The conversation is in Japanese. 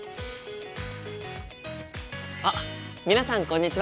あっ皆さんこんにちは！